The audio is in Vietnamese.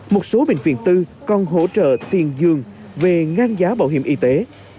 một số bệnh viện tư còn hỗ trợ tiền dường về ngang giá bảo hiểm y tế